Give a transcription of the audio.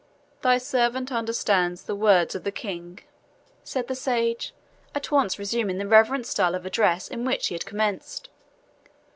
"Thy servant understands the words of the King," said the sage, at once resuming the reverent style of address in which he had commenced.